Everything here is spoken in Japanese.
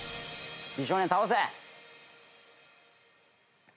美少年倒せ！